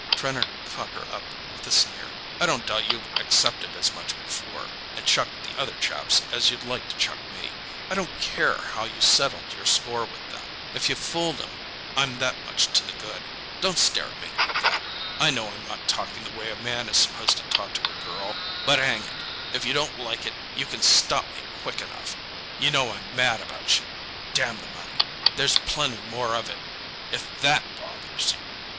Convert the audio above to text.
Trenor caught her up with a sneer. "I don't doubt you've accepted as much before—and chucked the other chaps as you'd like to chuck me. I don't care how you settled your score with them—if you fooled 'em I'm that much to the good. Don't stare at me like that—I know I'm not talking the way a man is supposed to talk to a girl—but, hang it, if you don't like it you can stop me quick enough—you know I'm mad about you—damn the money, there's plenty more of it—if THAT bothers you....